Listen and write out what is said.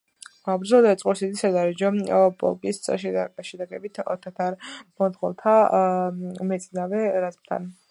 ბრძოლა დაიწყო რუსეთის სადარაჯო პოლკის შეტაკებით თათარ–მონღოლთა მეწინავე რაზმთან.